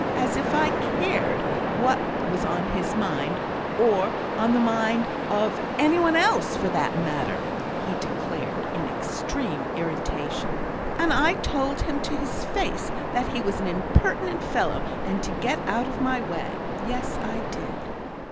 As if I cared what was on his mind, or on the mind of any one else, for that matter," he declared, in extreme irritation. "And I told him to his face that he was an impertinent fellow, and to get out of my way. Yes, I did!"